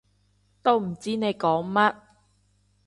都唔知你講乜